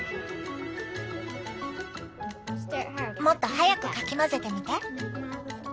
もっと速くかき混ぜてみて。